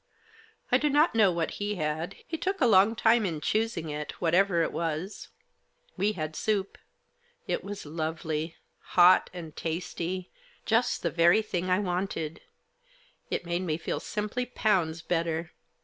I do not know what he had ; he took a long time in choosing it, whatever it was. We had soup. It was lovely. Hot and tasty ; just the very thing I wanted. It made me feel simply pounds better.